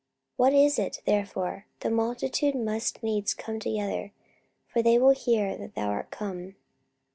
44:021:022 What is it therefore? the multitude must needs come together: for they will hear that thou art come.